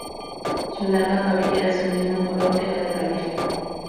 Su larga cabellera es del mismo color que la de la Virgen.